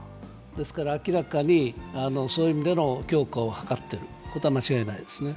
明らかにそういう意味での強化を図っていることは間違いないです。